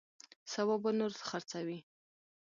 سبا به نور خرڅوي.